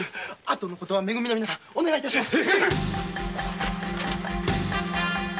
後のことはめ組の皆さんお願いします